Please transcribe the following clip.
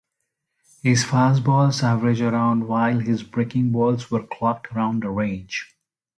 His fastballs average around while his breaking balls were clocked around the range.